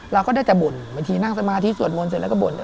เราก็ได้แต่บ่นบางทีนั่งสมาธิสวดมนต์เสร็จแล้วก็บ่น